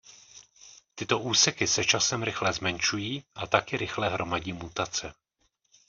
Tyto úseky se časem rychle zmenšují a taky rychle hromadí mutace.